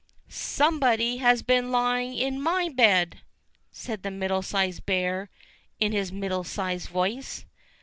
"somebody has been lying in my bed!" said the Middle sized Bear in his middle sized voice.